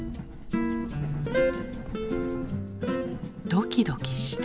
ドキドキした。